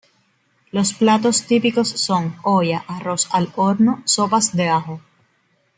Los platos típicos son: olla, arroz al horno, sopas de ajo.